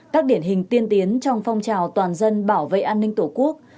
các điển hình tiên tiến trong phong trào toàn dân bảo vệ an ninh tổ quốc